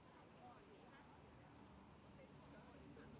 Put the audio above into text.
เมื่อเวลาเมื่อเวลาเมื่อเวลาเมื่อเวลา